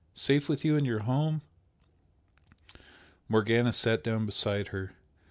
safe with you in your home?" Morgana sat down beside her.